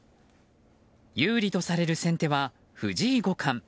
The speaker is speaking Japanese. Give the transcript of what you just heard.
有利とされる先手は藤井五冠。